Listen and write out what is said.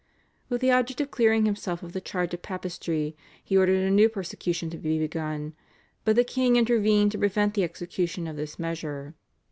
With the object of clearing himself of the charge of Papistry he ordered a new persecution to be begun, but the king intervened to prevent the execution of this measure.